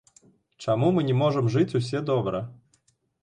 Чаму мы не можам жыць усе добра?